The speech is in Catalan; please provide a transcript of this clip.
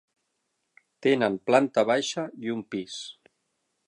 Tenen planta baixa i un pis.